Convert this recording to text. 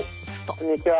こんにちは。